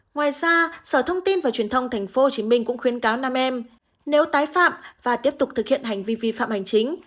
ngoài ra sở thông tin và truyền thông tp hcm cũng khuyến cáo nam em nếu tái phạm và tiếp tục thực hiện hành vi vi phạm hành chính